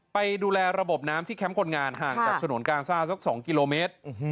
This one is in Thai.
ไปดูแลระบบน้ำที่แคมป์คนงานห่างจากฉนวนกาซ่าสัก๒กิโลเมตร